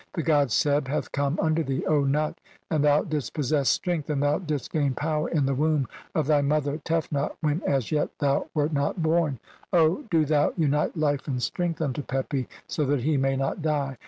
"The god Seb hath come unto thee, O Nut, and thou "didst possess strength, and thou didst gain power "in the womb of thy mother Tefnut when as yet thou "wert not born ; O do thou unite life and strength "unto Pepi so that he may not die.